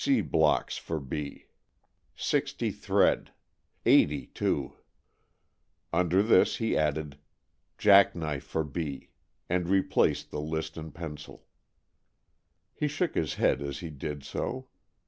B. C. blocks for B 60 thread. 80 too Under this he added "Jack knife for B." and replaced the list and pencil. He shook his head as he did so.